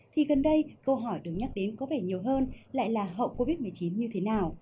thì gần đây câu hỏi được nhắc đến có vẻ nhiều hơn lại là hậu covid một mươi chín như thế nào